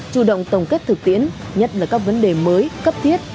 chủ động tổng kết thực tiễn nhất là các vấn đề mới cấp thiết